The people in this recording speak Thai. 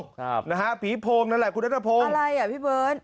ครับนะฮะผีโพงนั่นล่ะคุณเด็กนาภงอะไรล่ะพี่เบิ้ล